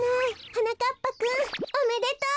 はなかっぱくんおめでとう！